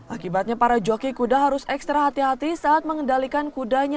akibatnya para joki kuda harus ekstra hati hati saat mengendalikan kudanya